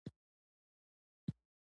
مجرمان به یا په کورونو کې حبس وو.